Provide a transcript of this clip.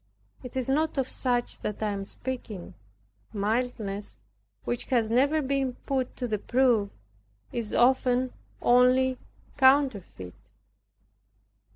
It is not of such that I am speaking. Mildness which has never been put to the proof, is often only counterfeit.